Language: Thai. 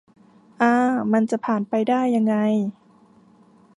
อ่า มันจะผ่านไปได้ยังไง